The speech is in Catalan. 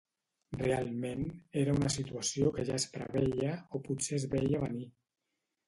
Realment era una situació que ja es preveia o potser es veia venir.